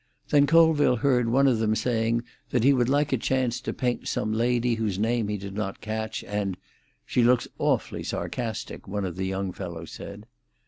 Then Colville heard one of them saying that he would like a chance to paint some lady whose name he did not catch, and "She looks awfully sarcastic," one of the young fellows said.